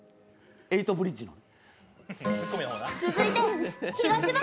エイトブリッジの。